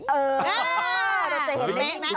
เออเราจะเห็นแบบนี้ต่อ